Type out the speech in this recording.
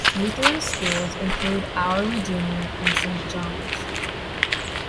Lutheran Schools include Our Redeemer and Saint John's.